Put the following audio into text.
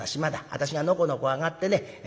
私がのこのこ上がってね